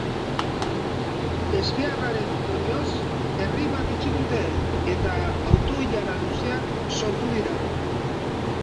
Ezbeharraren ondorioz, errei bat itxi dute eta auto-ilara luzeak sortu dira.